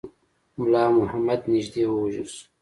مُلا محمد نیژدې ووژل شو.